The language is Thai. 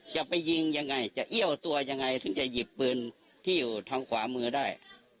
จะไปยิงยังไงจะเอี้ยวตัวยังไงถึงจะหยิบปืนที่อยู่ทางขวามือได้